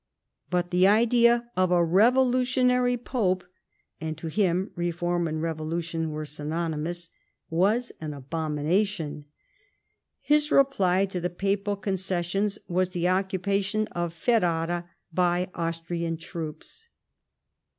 But the idea of a revolutionary Pope — and to him reform and revolution were synonymous —• was an abomination. His reply to the Papal concessions was the occupation of Ferrara by Austrian troops.